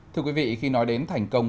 thưa quý vị khi nói đến thành công